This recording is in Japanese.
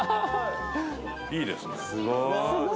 いいですね。